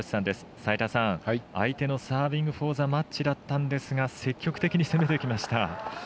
齋田さん、相手のサービングフォーザマッチだったんですが積極的に攻めていきました。